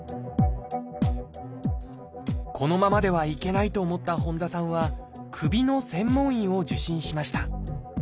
このままではいけないと思った本多さんは首の専門医を受診しました。